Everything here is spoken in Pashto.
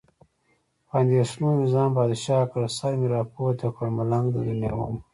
په اندېښنو مې ځان بادشاه کړ. سر مې راپورته کړ، ملنګ د دنیا ومه.